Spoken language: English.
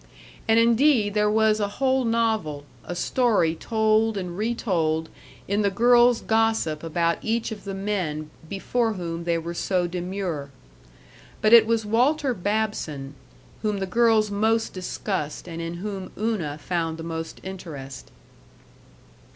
And indeed there was a whole novel, a story told and retold, in the girls' gossip about each of the men before whom they were so demure. But it was Walter Babson whom the girls most discussed and in whom Una found the most interest.